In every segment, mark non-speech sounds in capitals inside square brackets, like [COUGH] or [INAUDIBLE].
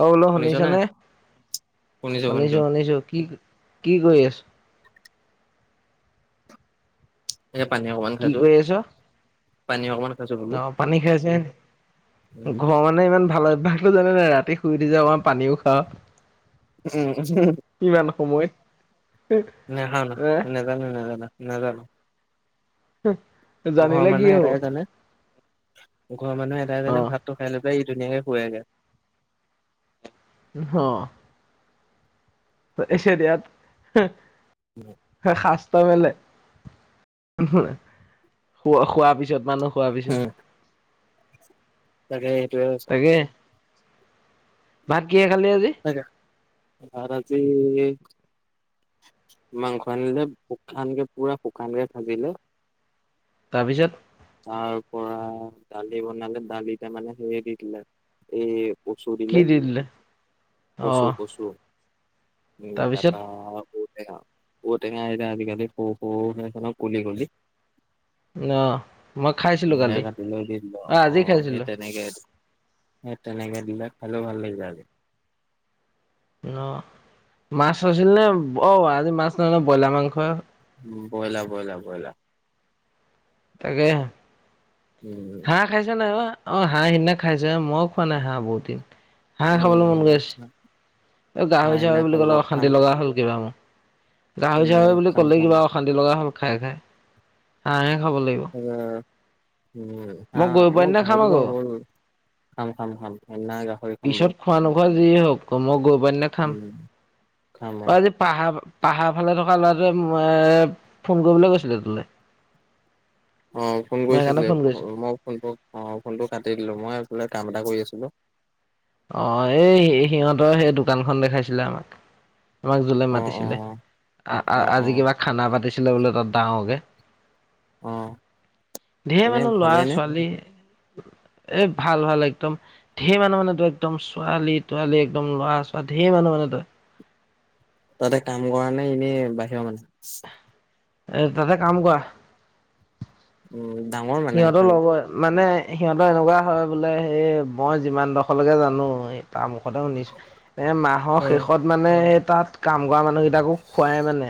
অ', বোলো শুনিছ নে? শুনিছ'নে? শুনিছো শুনিছো। শুনিছোঁ, শুনিছোঁ কি কি কৰি আছ'? এ পানী অকমান কি খাইছোঁ, কৰি আছ? পানী অকমান খাইছো বোলো। অ', পানী খাইছে, উম, ঘৰ মানে ইমান ভাল হয়। [UNINTELLIGIBLE] জানে নাই ৰাতি শুই দি যাওঁ আমাৰ পানীও খাওঁ। উম, উম। ইমান সময়ত নাজানোঁ নাজানোঁ নাজানা নাজানোঁ এ ঘৰৰ জানিলে কি মানুহে হব এটায়ে জানে। ঘৰৰ মানুহে এটাই অ জানে ভাতটো খাই লয় পেলাই ই ধুনীয়াকে শুৱেগৈ। আহ পাতিছোঁ দিয়াত উম শাচত তই গ'লে [UNINTELLIGIBLE] খোৱাৰ পিছত মানুহ শুৱাৰ পিছত তাকে এইটোৱেই আছে। তাকে ভাত কিহ খালে আজি? তাকে ভাত আজি মাংস আনিলে শুকানকে পুৰা শুকানকে ভাজিলৈয়। তাৰপিছত তাৰপৰা দালি বনালে দালিতে মানে হেৰি দি দিলে এই কচু কি দিলে, দি অ কচু কচু উম, তাৰপিছত তাৰপাৰ বুট ঔটেঙা ঔটেঙা আজিকালি সৰু সৰু হয় আছে কলি কলি ন'। [UNINTELLIGIBLE] আজি অ', সেই খাইছিলো তেনেকে এ তেনেকে দিলে খালো ভাল লাগি যায় আজি। ন' মাছ আছিল নে? অ'আজি মাছ নহয় নয় ব্ৰইলাৰ মাংস হ বয়লা, বয়লা, বয়লা। যে হাঁহ খাইছা নাই বা? অ হাঁহ সিদিনা খাইছেহে মই খোৱা নাই হাঁহ বহুত দিন। উমম উম। এ গাহৰি আইনা চাহৰি বুলি কালব ক'লে খাম অশান্তি লগা হ'ল কিবা মো গাহৰি উম চাহৰি বুলি খাম ক'লেই খাম কিবা অশান্তি লগা হ'ল খাই খাই। হাঁহে খাব লাগিব তাকে উম হাঁ গৈ পোৱা মই দিনা খাম গাহৰি বা আকৌ হ'ল খাম খাম খাম। সেইদিনা‌ গাহৰি খাম বাও। যিয়ে হওঁক ক মই গৈ‌ পোৱা দিনা খাম। অ' আজি পাহ পাহাৰ ফালে থকা ল'ৰাটোৱে এ ফোন কৰিবলে কৈছিলে তুলে। অঁ ফোন কৰিছিলে। ফ মই ফোনটো অঁ ফোনটো কাটি দিলো মই এইফালে কাম এটা এটা কৰি আছিলো। অঁ এই সিহঁতৰ সেই দোকানখন দেখাইছিলে আমাক। আমাক জোলে অ অ মাতিছিলে, অ অ আজি কিবা খানা পাতিছিলে বোলে তাত ডাঙকে। অ ঢেৰ এনে মানে লৰা ভালেই - নে ছোৱালী। এ ভাল ভাল একদম ঢেৰ মানু মানে তই একদম ছোৱালী তোৱালী, একদম ল'ৰা চৱা ঢেৰ মানুহ মানে তই তাতে কাম কৰা নে ইনেই বাহিৰ মানু এ তাতে কাম কৱা। উম ডাঙৰ মানে সিহঁতৰ এখন লগৱে মানে সিহঁতৰ এনেকুৱা হয় বোলে সেই মই যিমান ডোখৰলৈকে জানো কাম কথা শুনিছো এ মাহৰ অ শেষত মানে তাত কাম কৰা মানুহ কেইটাকো খোৱাই মানে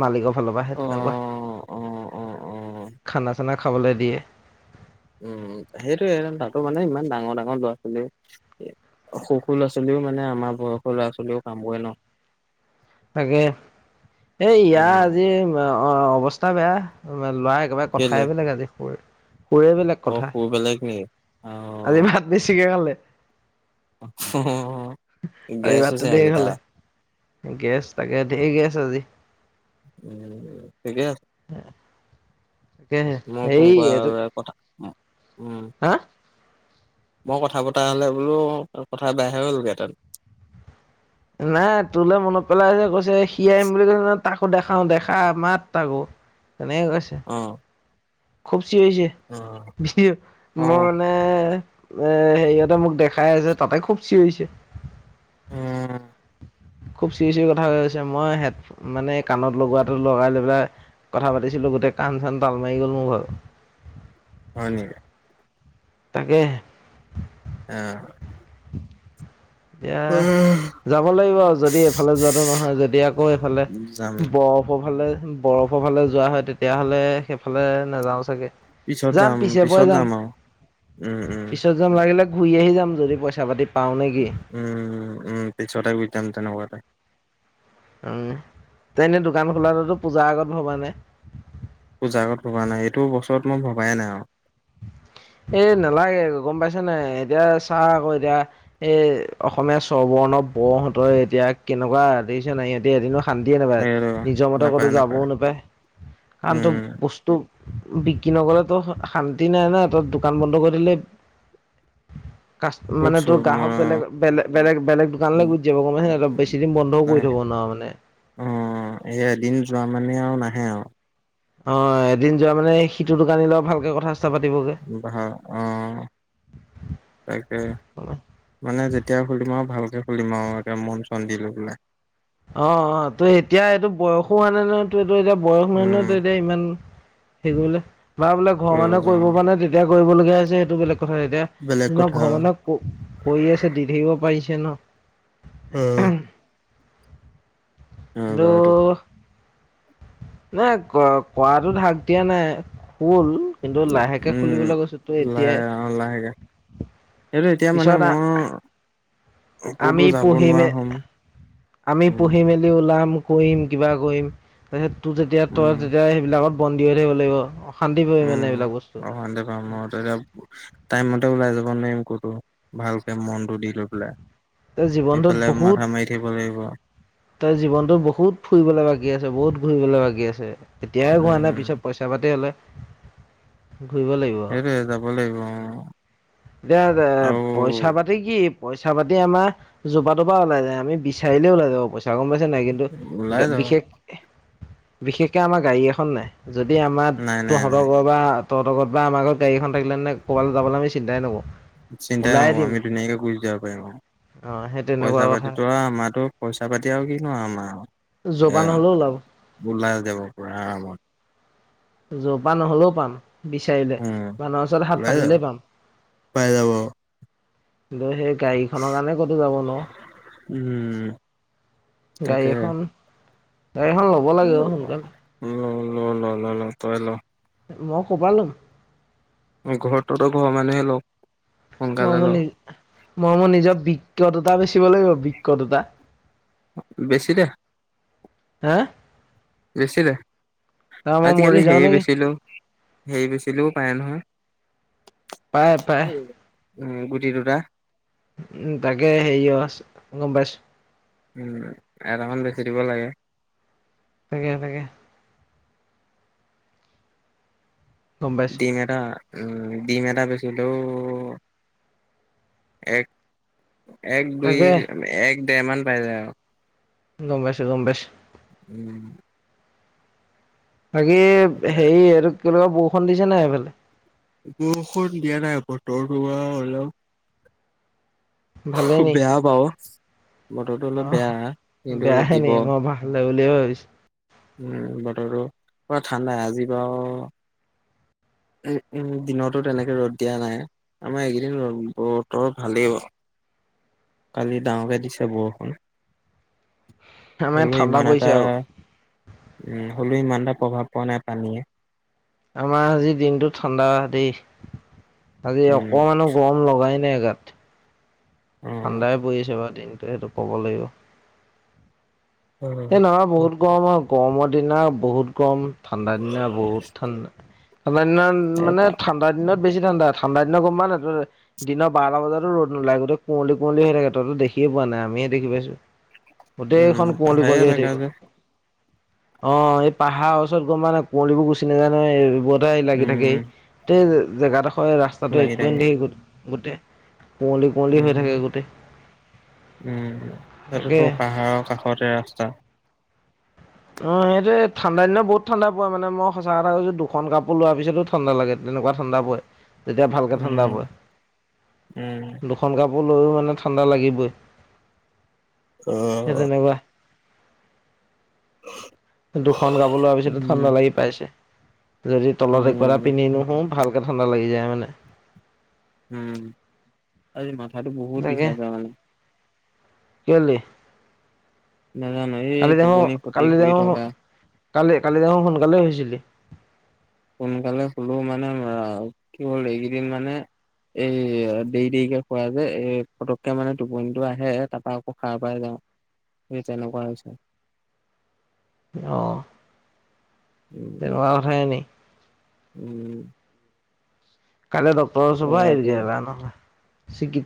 মালিকক ফালৰ পৰা, সে অ', তেনেকুৱা, অ', অ', অ', খানা চানা খাবলৈ দিয়ে উম সেইটোয়ে তাতো মানে ইমান ডাঙৰ ডাঙৰ ল'ৰা ছোৱালী অ সুখ ল'ৰা ছোৱালীও মানে আমাৰ বয়সৰ ল'ৰা ছোৱালীও কাম ন? তাকে এই উম, ইয়াৰ আজি অৱস্থা বেয়া লৰা একেবাৰে কেলে কথাই বেলেগ আজি সুৰে বেলেগ অ কথা সু বেলেগ নেকি? আজি অ', ভাত বেজিকে খালে? আজি গেছ ভাতটো হৈছে ধেৰ আজি তাৰ। খালে গেছ তাকে ধেই গেছ আজি উম ঠিকে তাকেহে মই হেৰি ফোন কৰা এইটো আৰু কথা উম, হা মই কথা পতা হ'লে বোলো কথা বেয়াহে হ'লগেতেন। নাই তোৰলৈ মনত পেলাইছে কৈছে সি আহিম বুলি কৈছে ন তাক, দেখাও দেখা মাত আাকো তেনেকে কৈছে অ', খুব অ', চিঞৰিছে মই অ', মানে এ হেৰিয়তে মোক দেখা খাই আছে তাতে খুব চিঞৰি উম। খুব চিৰি চিৰি কথা কৈছে, মই হেড মানে কাণত লগোৱাটো লগাই লৈ পেলাই কথা পাতিছিলো গোটেই কাণ চান তাল মাৰি গল মোৰ ভাগৰ, হয় নেকি? তাকে আহ এতিয়া যাব লাগিব আৰু যদি এইফালে যোৱাটো নহয় যদি আকৌ এইফালে যাম বৰফৰফালে বৰফৰ ফালে যোৱা হয় তেতিয়াহলে সেইফালে নাযাও চাগে পিছত যাম পিছে পৰে পিছত যাম আৰু উম, উম। পিছত যাম লাগিলে ঘূৰি আহি যাম যদি পইচা পাতি পাও নেকি উম উম পিছতে গুচি যাম তেনেকুৱতে উম তে এনেই দোকান খোলাটোতো পূজাৰ আগত ভবা নাই পূজা আগত ভবা নাই এইটো বছৰত মই ভবায়ে নাই আৰু এ নালাগে গম পাইছ নে এতিয়া চা আকৌ এতিয়া এই অসমীয়া চৰ্বৰ প্ৰনৱ বৰ হহঁতৰ এতিয়া কেনেকুৱা দেখিছে নাই সিহঁতে এদিন শান্তিয়ে নাপায় এইটো নিজৰ মতে ক'তো যাবও নাপায় কাৰণ তো উম, বস্তু বিক্ৰী নগলেতো শান্তি নাই ন তাত দোকান বন্ধ কৰি দিলে কাষ্ট ক'ত মানে তোৰ চব মই গ্ৰাহক বেলে বেলে বেলেগ বেলেগ দোকানলৈ গুচি যাব গম পাইচনে নাই তই বেছিদিন বন্ধও কৰি নাই থব মানে অ এই এদিন যোৱা মানে আৰু নাহে আৰু অ এদিন যোৱা মানে সিটোৰ দোকানি ল ভালকে কথা চথা পাতিবগে বহা আহ তাকে মানে যেতিয়া সুুলিম আৰু ভাল খুলিম আও একে মন চন দি লৈ পেলাই অ অ ত এতিয়া এইটো বয়সো হোৱা নাই নয় ত এইটো এতিয়া বয়স নহয় নহয় তই উম। এতিয়া ইমান [UNINTELLIGIBLE] বা বোলে ঘৰৰ মানুহে কৰিব পৰা নে তেতিয়া কৰিবলগীয়া হৈছে সেইটো বেলেগ কথা কথা এতিয়া বেলেগ য কথা ঘৰ আৰু। মানে ক কৰি আছে দি থাকিব পাৰিছে ন উম কিন্তো এইটো নাই ক কৰাটো হাক দিয়া নাই খোল কিন্তু লাহেকে উম। খুলিবলৈ কৈছো তো এতিয়াই শেটো এতিয়া মানে পিছত আ- মই ক'তো আমি যাব পুহি নোৱাৰা মেল হ'ম। আমি উম, পুঢ়ি মেলি ওলাম কৰিম কিবা কৰিম তাৰপিছত তোৰ যেতিয়া তই উম। তেতিয়া সেইবিলাকত বন্দী হৈ থাকিব লাগিব অশান্তি পাবি মানে উম এইবিলাক বস্তু প্ৰশান্ত প ম এতিয়া টাইম মতে ওলাই যাব ম ক'তো ভালকে মনটো দি লৈ পেলাই তেওঁ জীৱনটোত এইফালে মাথা বহুত মাৰি থাকিব লাগিব তই জীৱনতো বহুত ফুৰিবলৈ বাকী আছে বহুত ঘুৰিবলে বাকী আছে তেতিয়েহে হোৱা নাই উম। পিছত পইচা পাতি হলে ঘূৰিব লাগিব সেইটোৱে যাব লাগিব অ এতিয়া আৰু পইচা পাতি কি পইচা পাতি আমাৰ জ'পা ত'পা ওলাই যায় আমি বিচাৰিলেই ওলাই যাব পইচা চ গম পাইছে নাই কিন্তু ওলাই যাব বিশেষ বিশেষকৈ আমাৰ গাড়ী এখন নাই যদি আমাৰ নাই নাই নাই তহঁতৰ বা তহত বা আমাৰ ঘৰত গাড়ীখন থাকিলে নে ক'ৰবালৈ যাবলৈ আমি চিন্তাই নকৰো চিন্তাই নহয় আমি ধুনীয়াকে গুচি যাব পাৰিম আৰু অ সেই তেনেকুৱা পইচা কথা পাতিতো আৰু আমাৰতো পইচা পাতি আৰু কিনো আমাৰ এ জপা নহলেও ওলাব ওলাই যাব প আৰামত জ'পা নহ'লেও পাম বিচাৰিলে উম, মানুহৰ ওচৰত হাত ওলাই যাব পাতিলে পাম পাই যাব। কিন্তু সেই গাড়ীখনৰ কাৰণে ক'তো যাব উম, নুৱাও গাড়ী তাকে এখন গাড়ী এখন ল'ব লাগে ল অ সোনকালে ল ল ল ল তয়ে ল মই ক'পা ল'ম ঘৰত তহঁতৰ ঘৰৰ মানুহে লও মই মোৰ নি, মই মোৰ নিজৰ বিক্য দুটা বেচিব লাগিব, বিক্ক দুটা। বেছি দে, হা বেছি দে। তাৰ মই আজিকালি মৰি যাওঁ হেই নেকি বেচিলো, হেই বেচিলেও পায় নহয়। পায়, পায়। উম গুটি দুটা। উম তাকে হেইৱচ গম পাইছ উম এটামান বেচি দিব লাগে। তাকে, তাকে। গম পাইছো ডিম এটা উ ডিম এটা বেচিলেও এক এক, দুই, তাকে এক, দেমান পাই যায় অ'। গম পাইছোঁ, গম পাইছোঁ। উম। বাকী এ হেই এইটো কেনেকুৱা বৰষুণ দিছে নাই হেফালে? বৰষুণ দিয়া নাই। বতৰটোৱা অলপ ভালে নি। বেয়া বাৰু বতৰটো অলপ অ' বেয়া কিন্তু বেয়াহে দিব নি? মই ভালে বু লেৱৈছ। উম বতৰটো, অ' ঠাণ্ডা আজি বাও উ, উম দিনতো তেনেকে ৰ'দ দিয়া নাই। আমাৰ এগিদিন ৰ-বতৰ ভালেই অ'। কালি ডাঙকে দিছে বৰষুণ। আমাৰ ইয়াত হ'লেও ঠাণ্ডা ইমান পৰিছে এটা আকৌ উ হ'লেও ইমান এটা প্ৰভাৱ পোৱা নাই পানীয়ে। আমাৰ আজি দিনতো ঠাণ্ডা দেই। আজি উম অকমানো গৰম লগাই নাই। গাত। অ ঠাণ্ডাই পইছে বাও দিনটো হেটো ক'ব লাগিব। উম এ নহয় বহুত গৰম হয়, গৰমৰ দিনা বহুত গৰম ঠাণ্ডা দিনা বহুত ঠাণ্ডা, ঠাণ্ডা দিনা এই মানে পা ঠাণ্ডা দিনত বেছি ঠাণ্ডা, ঠাণ্ডা দিনা গম পাৱ নাই তই দিনৰ বাৱটা বজাতো ৰ'দ নোলায়। গোটেই কুঁৱলী, কুঁৱলী হৈ থাকে তইতো দেখ খিয়ে পোৱা নাই। আমিহে দেখি পাইছোঁ। উম গোটেইখন কুঁৱলী, পাহাৰীয়া কুঁৱলী হৈ জেগা থাকিব। যে অ' এই পাহাৱ ওচৰত গম পাৱ নাই কুৱলীবোৰ গুচি নাযায় নহয়। এইবোৱত দাই লাগি উম থাকেই। তে জেগাডখই ৰাস্তাটো লাগি একোৱে নেদখি গো-গোটেই উ, উ তাপিছত তু তাকে পাহাৱ কাষতে আছ ছা। অ' হেটোৱে ঠাণ্ডা দিনত বহুত ঠাণ্ডা পই মানে মই সঁচা কথা কৈছো। দুখন কাপোৰ লোৱাৰ পিছতো ঠাণ্ডা লাগে। কেনেকুৱা ঠাণ্ডা পয়, তেতিয়া ভালকে ঠাণ্ডা উম পয়। উম দুখন কা পো লৈওঁ মানে ঠাণ্ডা লাগিবই। সেই অ'। তেনেকুৱা। দুখন কাপো লোৱা পিছতো ঠাণ্ডা উম লাগি পাইছে। যদি তলত একো এটা উম পিন্ধি নুশু ভালকে ঠাণ্ডা লাগি যায় মানে। উম, আজি মাথাটো বহুত তাকে বিষাইছে মানে। কেলে? নাজানো এই কালি দেখো, টোপনি ক্ষতি কালি কৰি দেখো, থকা কালি, কালি দেখো সোনকালে হুইছিলি। সোনকালে শুলো মানে কি হ'ল এইকেইদিন মানে এই দেই-দেইকে শুৱা যে, এই পটককে মানে টোপনিটো আহে। তাপা আকৌ খাৰ পৰাই যাওঁ। এই তেনেকুৱা হৈছে। অ' তেনেকুৱা কথাই নি? উ। কালে ডক্টৰ ওচৰৰ পৰা, এ গেলা নহয়, চিগি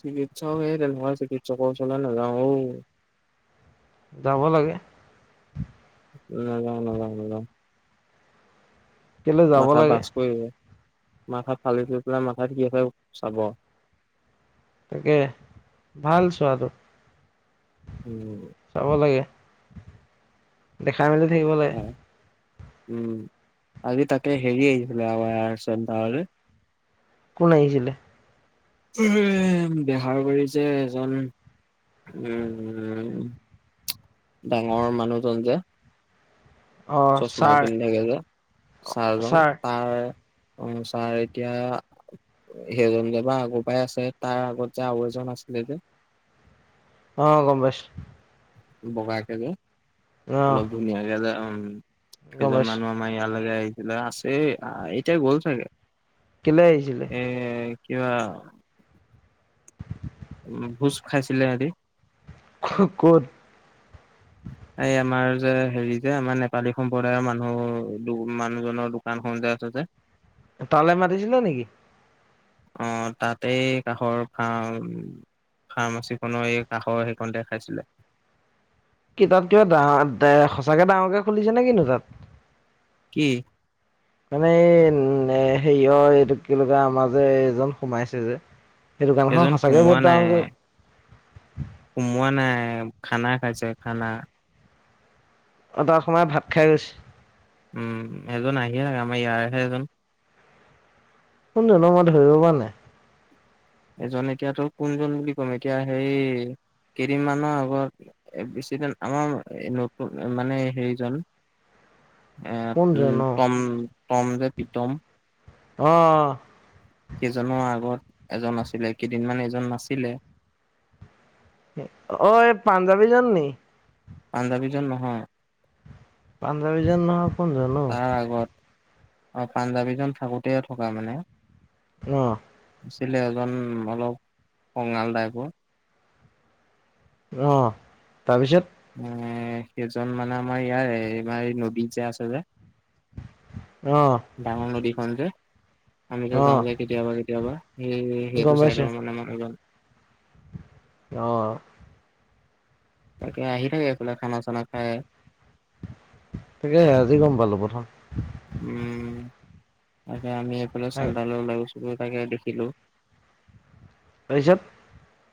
চিকিৎসক হেই তেনকুৱা চিকিৎসকৰ ওচৰলৈ নাযাওঁ অ'। যাব লাগে। নাযাওঁ, নাযাওঁ, নাযাওঁ। কেলে যাব মাথা বাছ লাগে কৰি। মাথাত ফালি দি পেলাই। মাথাত কি হয় চাব। তাকে ভাল চোৱা আৰু উম চাব লাগে। দেখাই মেলি থাকিব লৈ। উ'ম আজি তাকে হেৰি আহিছিলে। কোন আহিছিলে? বেহাৰবাৰীৰ যে এজন উ'ম, ডাঙৰ মানুহজন যে অ চশমা ছাৰ পিন্ধাকে যে চাৰজন ছাৰ তাৰ অ' ছাৰ এতিয়া সেইজন যে বা আগৰ পাই আছে। তাৰ আগত যে আৰু এজন আছিলে যে। অ', গম পাইছোঁ। বগাকে যে অ অলপ ধুনীয়াকে যে উ'ম গম সেইজন পাইছো মানুহ আমাৰ ইয়াত ভালে আহিছিলে আছে। এইটাই গ'ল চাগে। কিনে আহিছিলে? এ কিবা। উ'ম ভোজ খাইছিলে, সেহতি। ক'ত? [UNINTELLIGIBLE] এই আমাৰ যে হেৰি যে আমাৰ নেপালী সম্প্ৰদায়ৰ মানুহ- মানুহজনৰ দোকানখন যে আছে। যে। তালে মাতিছিলা নেকি? অ', তাতেই কাষৰ ফাৰ্ম ফাৰ্মাচীখনৰ এই কাষৰ সেইখনতে খাইছিলে। কিতাপ কিবা ডাঙৰ এ! সঁচাকে ডাঙৰকে খুলিছে নে কিনো তাত? কি? মানে এই হেৰিয়ৰ এইটো কি বুলি কয়? আমাৰ যে এজন সোমাইছে যে। সেই দোকানখন এজন সঁচাকয়ে সোমোৱা বহুত নাই ডাঙৰকৈ সোমোৱা নাই খানা, খাইছে খানা। অ', তাত সোমাই ভাত খাই গৈছে। উ'ম এজন আহিয়ে থাকে। আমাৰ ইয়াৰহে এজন। কোনজন মই ধৰিব পৰা নাই? এজন এতিয়া তোৰ কোনজন বুলি ক'ম? এতিয়া হেৰি কেইদিনমানৰ আগত বেছিদিন আমাৰ নতুন মানে হেৰিজন এ! কোনজন উ'ম অ টম -টম যে প্ৰীতম। অ'। সেইজনো আগত এজন আছিলে, কেইদিনমান এজন নাছিলে। অ' ঐ পাঞ্জাৱীজন নেকি? পাঞ্জাৱীজন নহয়। পাঞ্জাৱীজন নহয়, কোনজন? তাৰ অ',। আগত অ' পাঞ্জাবীজন থাকোতে থকা মানে। ন। আছিলে এজন অলপ খঙাল টাইপৰ। অ', তাৰপিছত এ! সেইজন মানে আমাৰ ইয়াৰে এইবাৰ এই নদীত যে আছে যে। অ', ডাঙৰ নদীখন যে। আমিতো যাওঁ অ', যে কেতিয়াবা -কেতিয়াবা সেই- সেইটো গম পাইছো চাইডৰ মানে মানুহজন। অ'। তাকে আহি থাকে, এইফালে খানা চানা খাই। তাকে আজি গম পালো প্ৰথম। উম। তাকে আমি এইফালে চেণ্টালৰ লৈ গৈছিলো তাকে দেখিলো। তাৰিছত।